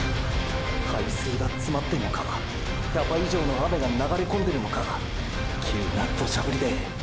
排水がつまってんのかキャパ以上の雨が流れこんでるのか急な土砂降りで！！